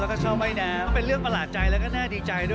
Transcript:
แล้วก็ชอบว่ายแดงก็เป็นเรื่องประหลาดใจแล้วก็น่าดีใจด้วย